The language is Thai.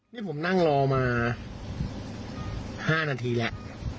นี่ผมนั่งรอมา๕นาทีแล้ว